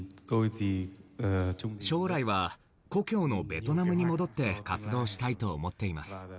将来は故郷のベトナムに戻って活動したいと思っています。